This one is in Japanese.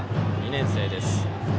２年生です。